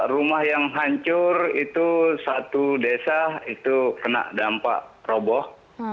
rumah yang hancur itu satu desa itu kena dampak roboh